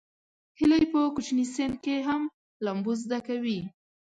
هیلۍ په کوچني سن کې هم لامبو زده کوي